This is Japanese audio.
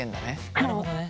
なるほどね。